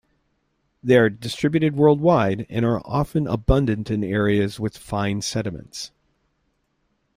They are distributed worldwide, and are often abundant in areas with fine sediments.